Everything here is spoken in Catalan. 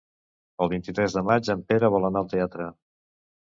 El vint-i-tres de maig en Pere vol anar al teatre.